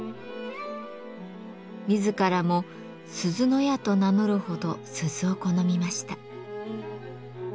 自らも「鈴屋」と名乗るほど鈴を好みました。